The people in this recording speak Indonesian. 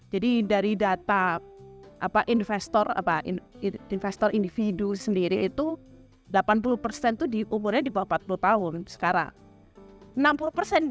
jadi dari data investor individu sendiri itu delapan puluh umurnya di bawah empat puluh tahun sekarang